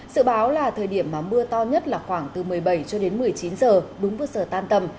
dự báo là thời điểm mà mưa to nhất là khoảng từ một mươi bảy h cho đến một mươi chín h đúng bước sở tan tầm